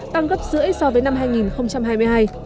tăng gấp giữa ít so với năm hai nghìn hai mươi hai